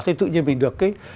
thì tự nhiên mình được cái